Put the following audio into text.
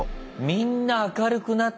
みんな明るくなってたかな。